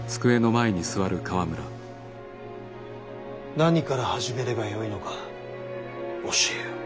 何から始めればよいのか教えよ。